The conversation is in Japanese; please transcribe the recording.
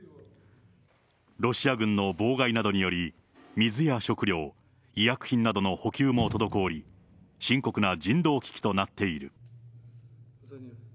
ロシア軍の妨害などにより、水や食料、医薬品などの補給も滞り、深刻な人道危機となっている。